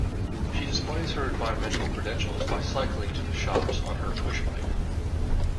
She displays her environmental credentials by cycling to the shops on her pushbike